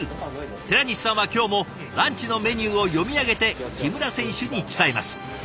寺西さんは今日もランチのメニューを読み上げて木村選手に伝えます。